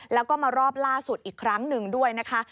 แล้วก็มารอบล่าสุดอีกครั้งหนึ่งด้วยนะคะ